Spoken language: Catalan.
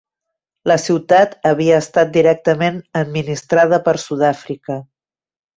La ciutat havia estat directament administrada per Sud-àfrica.